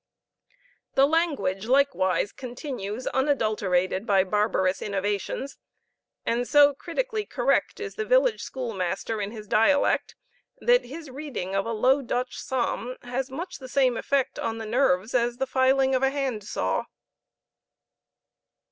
The language likewise continues unadulterated by barbarous innovations; and so critically correct is the village schoolmaster in his dialect that his reading of a Low Dutch psalm has much the same effect on the nerves as the filing of a hand saw.